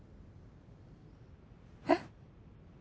えっ？